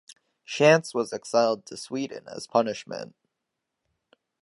Schantz was exiled to Sweden as punishment.